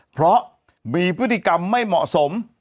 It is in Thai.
เพราะมีพฤติกรรมไม่เหมาะสม